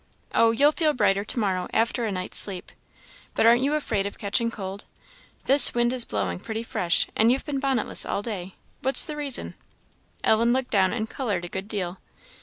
"Oh, you'll feel brighter to morrow, after a night's sleep. But aren't you afraid of catching cold? This wind is blowing pretty fresh, and you've been bonnetless all day what's the reason?" Ellen looked down, and coloured a good deal.